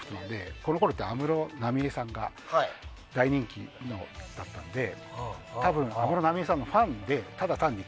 このころって安室奈美恵さんが大人気だったので多分、安室奈美恵さんのファンでただ単に。